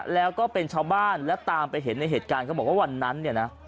แล้วก็เป็นชาวบ้านและตามไปเห็นในเหตุการณ์เขาบอกว่าวันนั้นเนี่ยนะ